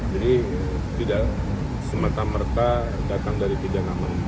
jadi tidak semerta merta datang dari tiga nama